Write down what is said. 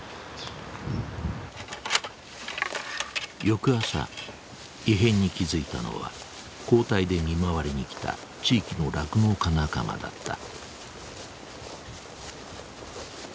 翌朝異変に気付いたのは交代で見回りに来た地域の酪農家仲間だった。